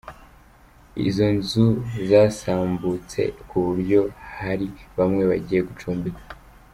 Izo nzu zasambutse kuburyo hari bamwe bagiye gucumbika.